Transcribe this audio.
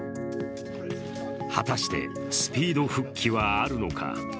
果たしてスピード復帰はあるのか？